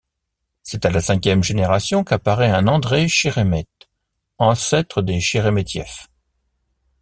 C'est à la cinquième génération qu'apparaît un André Chérémet, ancêtre des Cheremetiev.